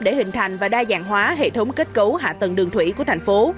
để hình thành và đa dạng hóa hệ thống kết cấu hạ tầng đường thủy của thành phố